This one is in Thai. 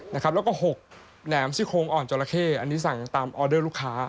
แล้วก็๖แหนมซี่โคงอ่อนจราเข้อันนี้สั่งตามออเดอร์ลูกค้า